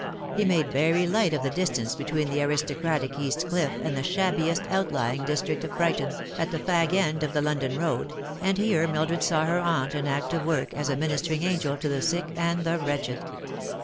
He made very light of the distance between the aristocratic East Cliff and the shabbiest outlying district of Brighton, at the fag end of the London Eoad, and here Mildred saw her aunt in active work as a minis tering angel to the sick and the wretched.